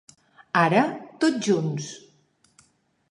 Ara, tots junts.